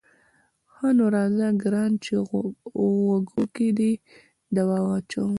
ښه نو راځه ګرانه چې غوږو کې دې دوا واچوم.